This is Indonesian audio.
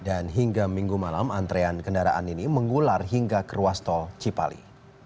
dan hingga minggu malam antrean kendaraan ini mengular hingga kruas tol cipali